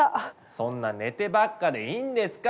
そんな寝てばっかでいいんですか？